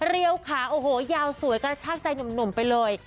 เรียวขาโอ้โหยาวสวยกระชากใจหนุ่มไปเลย